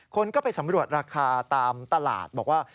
คนก็ไปสำรวจราคาตามตลาดบอกว่า